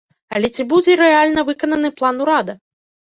Але ці будзе рэальна выкананы план урада?